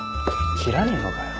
切らねえのかよ。